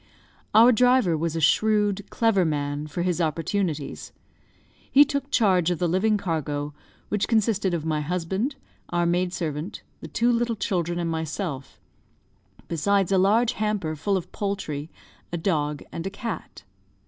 Our driver was a shrewd, clever man, for his opportunities. He took charge of the living cargo, which consisted of my husband, our maid servant, the two little children, and myself besides a large hamper, full of poultry, a dog, and a cat.